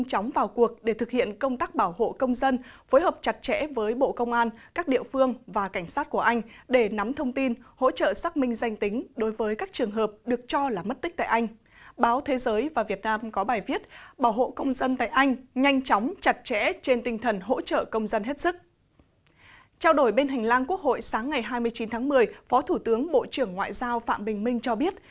trao đổi bên hành lang quốc hội sáng ngày hai mươi chín tháng một mươi phó thủ tướng bộ trưởng ngoại giao phạm bình minh cho biết